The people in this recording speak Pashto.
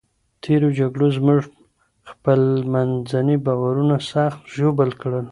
تېرو جګړو زموږ خپلمنځي باورونه سخت ژوبل کړل.